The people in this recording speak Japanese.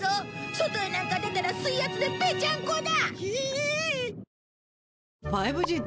外へなんか出たら水圧でぺちゃんこだ！